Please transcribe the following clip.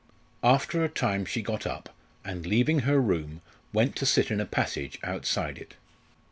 After a time she got up, and leaving her room, went to sit in a passage outside it.